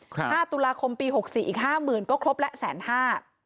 ห้าตุลาคมปีหกสี่อีกห้าหมื่นก็ครบแล้วแสนห้า